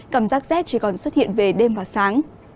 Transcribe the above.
cảm giác rét chỉ còn xuất hiện về đêm và sáng